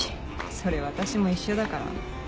それ私も一緒だから。